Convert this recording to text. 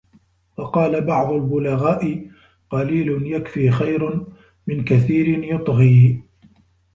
وَقَالَ بَعْضُ الْبُلَغَاءِ قَلِيلٌ يَكْفِي خَيْرٌ مِنْ كَثِيرٍ يُطْغِي